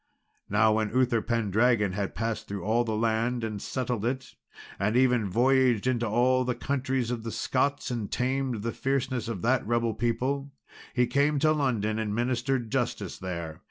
Now, when Uther Pendragon had passed through all the land, and settled it and even voyaged into all the countries of the Scots, and tamed the fierceness of that rebel people he came to London, and ministered justice there.